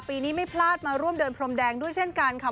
ปีนี้ไม่พลาดมาร่วมเดินพรมแดงด้วยเช่นกันค่ะ